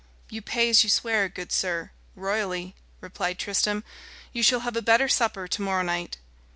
"You pay as you swear, good sir, royally," replied Tristram. "You shall have a better supper to morrow night."